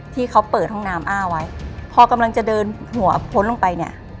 ที่เขาเปิดห้องน้ำอ้าไว้พอกำลังจะเดินหัวพ้นลงไปเนี่ย